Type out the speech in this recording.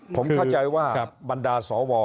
ผมเข้าใจว่าบรรดาสว